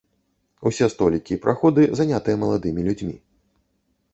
Усе столікі і праходы занятыя маладымі людзьмі.